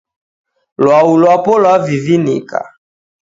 Lwau lwapo lwavinika